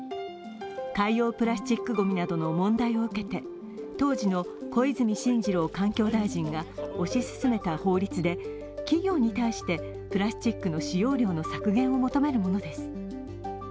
海洋プラスチックごみなどの問題を受けて当時の小泉進次郎環境大臣が推し進めた法律で企業に対してプラスチックの使用料の削減を求めるものです。